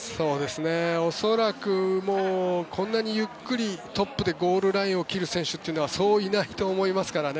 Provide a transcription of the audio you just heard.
恐らくこんなにゆっくりトップでゴールラインを切る選手はそういないと思いますからね